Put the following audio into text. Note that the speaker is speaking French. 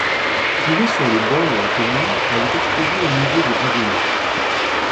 Trouvée sur le ban de la commune, elle est exposée au musée de Haguenau.